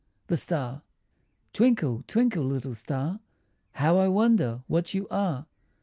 THE STAR Twinkle, twinkle, little star, How I wonder what you are!